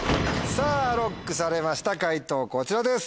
さぁＬＯＣＫされました解答こちらです。